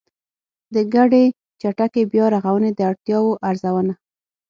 د ګډې چټکې بيا رغونې د اړتیاوو ارزونه